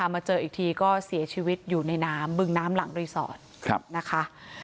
มาเจออีกทีก็เสียชีวิตอยู่ในน้ำบึงน้ำหลังรีสอร์ทนะคะ